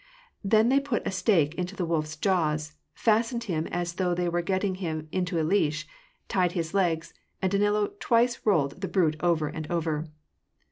Then they put a stake into the wolf's jaws, fastened him as though they were getting him into a leash, tied his legs, and Danilo twice rolled the brute over and over.